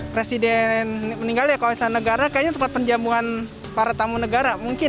presiden meninggal ya kawasan negara kayaknya tempat penjamuan para tamu negara mungkin